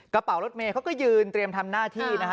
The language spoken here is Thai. กระเป๋ารถเมย์เขาก็ยืนเตรียมทำหน้าที่นะฮะ